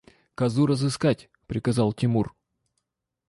– Козу разыскать! – приказал Тимур.